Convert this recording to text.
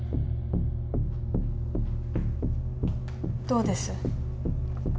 どうです？